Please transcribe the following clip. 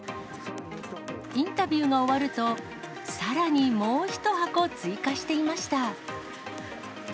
インタビューが終わると、さらにもう１箱追加していました。